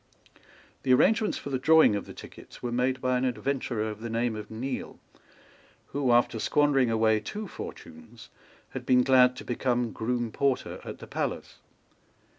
The arrangements for the drawing of the tickets were made by an adventurer of the name of Neale, who, after squandering away two fortunes, had been glad to become groom porter at the palace.